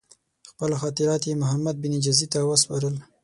خپل خاطرات یې محمدبن جزي ته وسپارل.